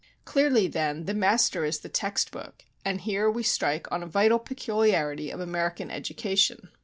Clearly, then, the master is the text book, and here we strike on a vital peculiarity of American education.